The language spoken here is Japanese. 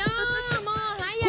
もう早く！